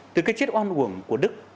từ cái chết oan quần của đức